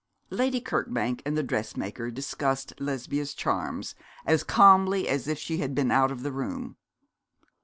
Lady Kirkbank and the dressmaker discussed Lesbia's charms as calmly as if she had been out of the room.